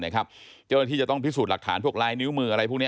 เจ้าหน้าที่จะต้องพิสูจน์หลักฐานพวกลายนิ้วมืออะไรพวกนี้